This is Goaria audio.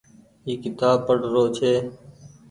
اي ڪيتآب پڙ رو ڇي۔